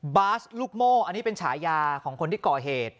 บาสลูกโม่อันนี้เป็นฉายาของคนที่ก่อเหตุ